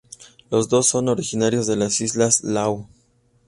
Los dos son originarios de las islas Lau.